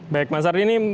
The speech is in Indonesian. baik mas ardi